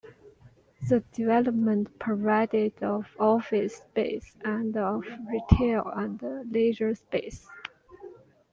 The development provided of office space and of retail and leisure space.